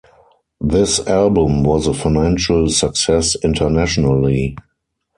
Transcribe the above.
This album was a financial success internationally.